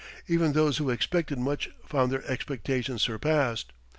Even those who expected much found their expectations surpassed.